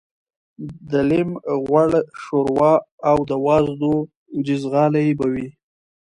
د لېم غوړ شوروا او د وازدو جیزغالي به وې.